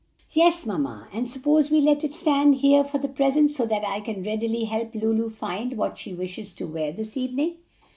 "Yes, mamma, and suppose we let it stand here for the present so that I can readily help Lulu find what she wishes to wear this evening."